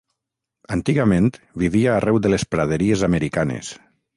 Antigament vivia arreu de les praderies americanes.